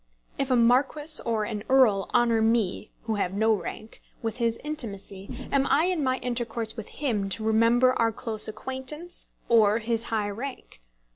If a marquis or an earl honour me, who have no rank, with his intimacy, am I in my intercourse with him to remember our close acquaintance or his high rank?